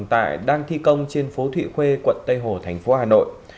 hiện tại đang thi công trên phố thụy khuê quận tây hồ thành phố hà nội